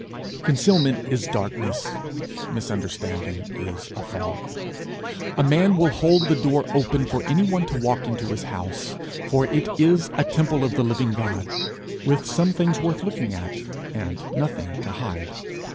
Concealment is darkness; misunderstanding is a fog. A man will hold the door open for anyone to walk into his house, for it is a temple of the living God with some things worth looking at, and nothing to hide.